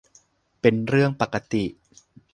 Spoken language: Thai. เป็นเรื่องปกติ